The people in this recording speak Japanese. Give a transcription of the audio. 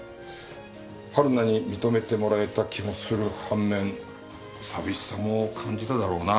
春菜に認めてもらえた気もする半面寂しさも感じただろうな。